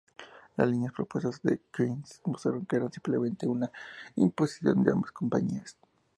Las líneas propuestas en Queens mostraron que eran simplemente una imposición de ambas compañías.